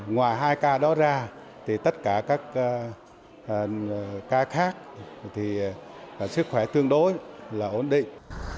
ngoài hai ca đó ra tất cả các ca khác sức khỏe tương đối là ổn định